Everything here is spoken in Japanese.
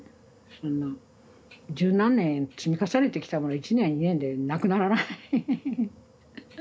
そんな十何年積み重ねてきたものは１年や２年でなくならない。